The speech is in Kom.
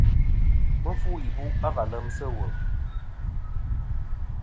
Mɨ fu ibu' a va lem sɨ̂ wul.